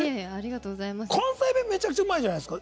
関西弁めちゃくちゃうまいじゃないですか？